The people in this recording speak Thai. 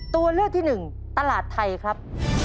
ตัวเลือกที่หนึ่งตลาดไทยครับ